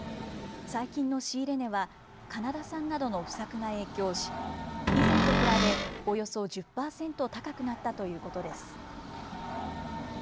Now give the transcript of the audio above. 最近の仕入れ値は、カナダ産などの不作が影響し、以前と比べ、およそ１０％高くなったということです。